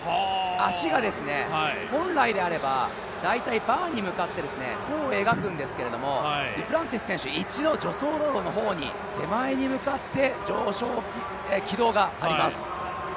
足が本来であれば大体バーに向かって弧を描くんですけど、デュプランティス選手、一度、助走路の方に手前に向かって上昇軌道があります。